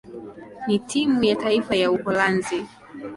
na timu ya taifa ya Uholanzi.